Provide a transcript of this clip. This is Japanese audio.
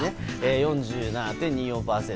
４７．２４％。